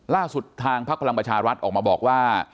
ล่าสุดทางพักพลังประชารัฐออกมาบอกว่า